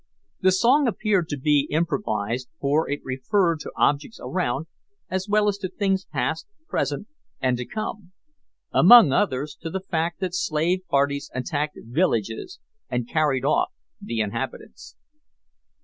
The song appeared to be improvised, for it referred to objects around, as well as to things past, present, and to come; among others, to the fact that slave parties attacked villages and carried off the inhabitants.